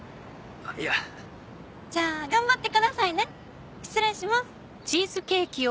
いや。じゃあ頑張ってくださいね失礼します。